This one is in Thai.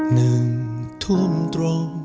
หนึ่งทุ่มตรง